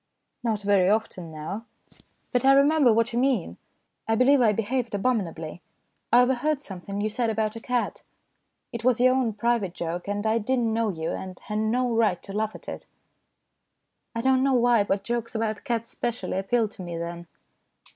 " Not very often now. But I remember what you mean. I believe I behaved abominably. I overheard something you said about a cat. It was your own private joke, and I did not know you, and had no right to laugh at it. I don't know why, but jokes about cats specially appealed to me then.